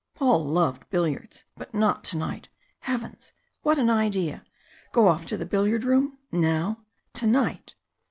Paul loved billiards but not to night. Heavens! what an idea! Go off to the billiard room now to night!